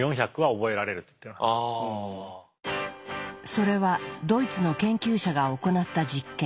それはドイツの研究者が行った実験。